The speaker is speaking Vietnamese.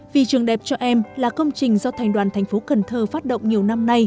vì trường đẹp cho em là công trình do thành đoàn thành phố cần thơ phát động nhiều năm nay